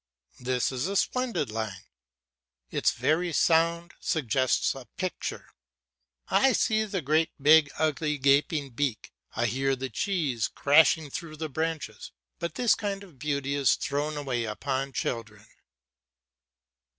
This is a splendid line; its very sound suggests a picture. I see the great big ugly gaping beak, I hear the cheese crashing through the branches; but this kind of beauty is thrown away upon children.